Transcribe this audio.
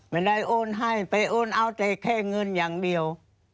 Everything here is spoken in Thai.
ไม่ได้โอนให้ไปโอนเอาแต่แค่เงินอย่างเดียว